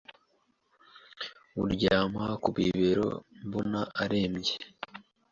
muryama ku bibero mbona aremeye